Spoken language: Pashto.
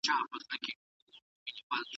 ده د انصاف لپاره خپلوان هم حسابول.